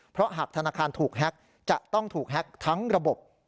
เพราะหากธนาคารถูกแฮ็กจะต้องถูกแฮ็กทั้งระบบ